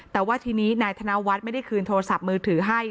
แต่ว่าทีนี้นายธนวัฒน์ไม่ได้คืนโทรศัพท์มือถือให้